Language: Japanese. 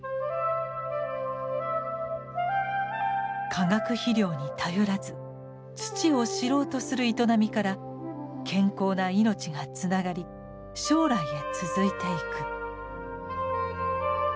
化学肥料に頼らず土を知ろうとする営みから健康な命がつながり将来へ続いていく。